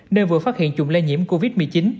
nơi vừa phát hiện chủng lây nhiễm covid một mươi chín